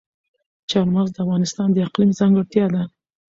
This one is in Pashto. چار مغز د افغانستان د اقلیم ځانګړتیا ده.